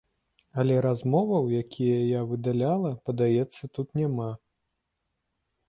Але размоваў, якія я выдаляла, падаецца, тут няма.